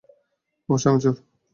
অবশ্যই, আমি চোর।